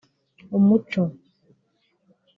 Umuco